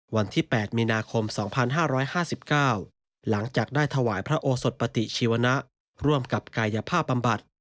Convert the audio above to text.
วันที่๘มีนาคม๒๕๕๙หลังจากได้ถวายพระโอสดปฏิชีวนะร่วมกับกายภาพบำบัด